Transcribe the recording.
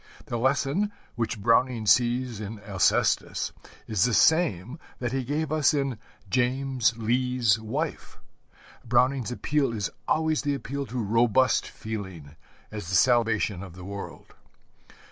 The lesson which Browning sees in Alcestis is the same that he gave us in James Lee's Wife. Browning's appeal is always the appeal to robust feeling as the salvation of the world.